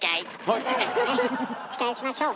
え⁉期待しましょう。